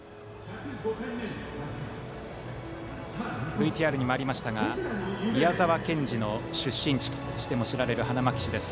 ＶＴＲにもありましたが宮沢賢治の出身地としても知られる花巻市です。